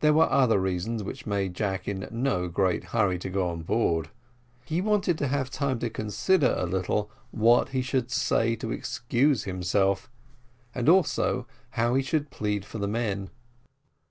There were other reasons which made Jack in no very great hurry to go on board; he wanted to have time to consider a little what he should say to excuse himself, and also how he should plead for the men.